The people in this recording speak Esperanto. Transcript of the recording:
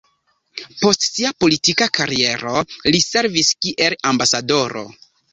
Post sia politika kariero li servis kiel ambasadoro.